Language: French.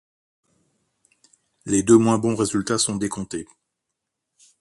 Les deux moins bons résultats sont décomptés.